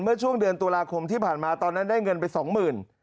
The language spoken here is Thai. เมื่อช่วงเดือนตุลาคมที่ผ่านมาตอนนั้นได้เงินไปสองหมื่น